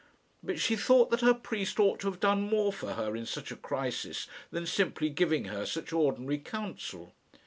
But she thought that her priest ought to have done more for her in such a crisis than simply giving her such ordinary counsel.